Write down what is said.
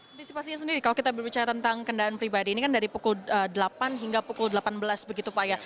antisipasinya sendiri kalau kita berbicara tentang kendaraan pribadi ini kan dari pukul delapan hingga pukul delapan belas begitu pak ya